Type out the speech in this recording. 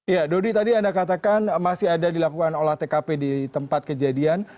ya dodi tadi anda katakan masih ada dilakukan olah tkp di tempat kejadian